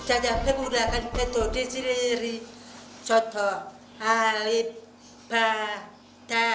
ada yang bisa memahami huruf hijayah